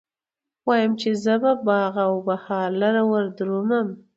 وايم، چې به زه باغ و بهار لره وردرومم